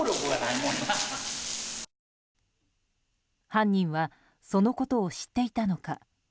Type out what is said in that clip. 犯人はそのことを知っていたのか。